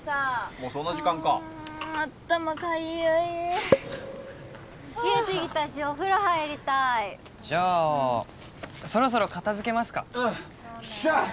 もうそんな時間かあ頭かゆい冷えてきたしお風呂入りたいじゃあそろそろ片づけますかうんしゃっ